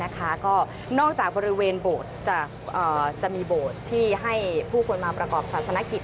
ก็นอกจากบริเวณโบสถ์จะมีโบสถ์ที่ให้ผู้คนมาประกอบศาสนกิจ